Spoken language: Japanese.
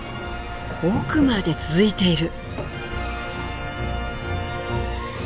奥まで続いている。